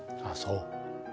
ああそう。